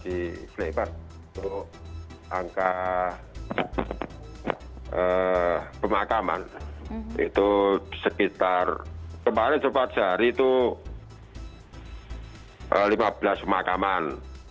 untuk angka pemakaman itu sekitar kemarin sepuluh hari itu lima belas pemakaman